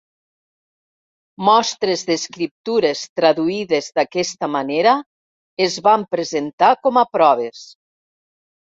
Mostres d'escriptures traduïdes d'aquesta manera es van presentar com a proves.